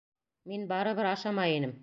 — Мин барыбер ашамай инем.